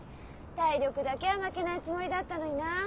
体力だけは負けないつもりだったのになあ。